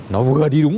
nó vừa đi đúng